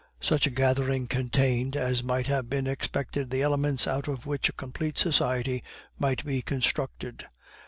Such a gathering contained, as might have been expected, the elements out of which a complete society might be constructed.